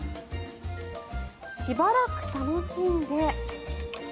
しばらく楽しんで。